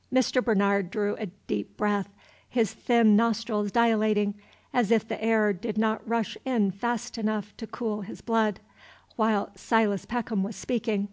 ] Mr. Bernard drew a deep breath, his thin nostrils dilating, as if the air did not rush in fast enough to cool his blood, while Silas Peckham was speaking.